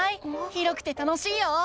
広くて楽しいよ！